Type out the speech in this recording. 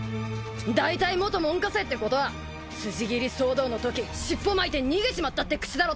だいたい元門下生ってことは辻斬り騒動のとき尻尾巻いて逃げちまったって口だろ